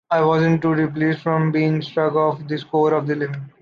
I wasn’t too displeased from being struck off the score of the living.